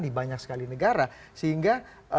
di banyak sekali negara sehingga